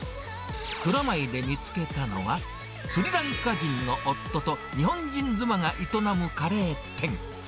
蔵前で見つけたのは、スリランカ人の夫と日本人妻が営むカレー店。